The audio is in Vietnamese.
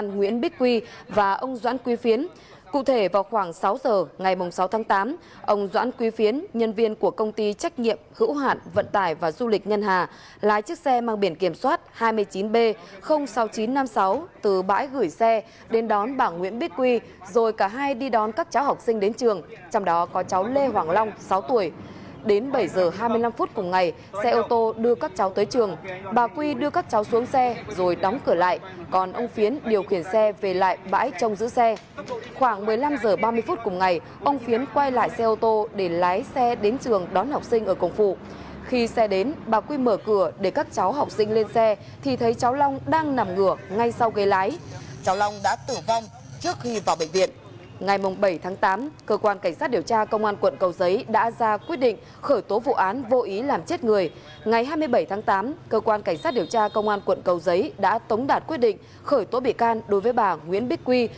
ngày hai mươi bảy tháng tám cơ quan cảnh sát điều tra công an quận cầu giấy đã tống đạt quyết định khởi tố bị can đối với bà nguyễn bích quy